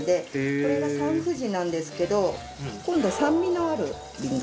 これがサンふじなんですけど今度酸味のあるリンゴ。